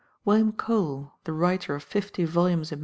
William Cole, the writer of fifty volumes in MS.